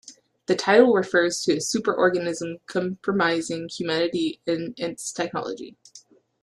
The title refers to a superorganism comprising humanity and its technology.